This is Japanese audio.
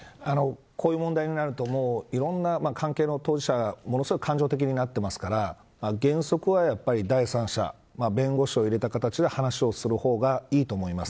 こういう問題になるといろんな関係の当事者がものすごい感情的になってますから原則は第三者弁護士を入れた形で話をするのがいいと思います。